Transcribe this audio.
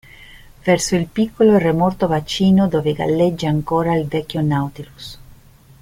Verso il piccolo e remoto bacino dove galleggia ancora il vecchio Nautilus.